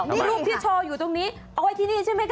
ลูกที่โชว์อยู่ตรงนี้เอาไว้ที่นี่ใช่มั้ยคะ